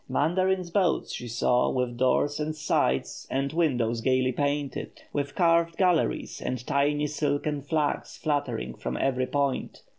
Mandarins' boats she saw, with doors, and sides, and windows gaily painted, with carved galleries, and tiny silken flags fluttering from every point.